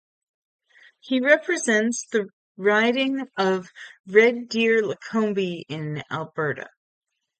He represents the riding of Red Deer-Lacombe in Alberta.